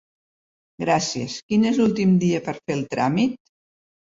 Gràcies, quin és l'últim dia per fer el tràmit?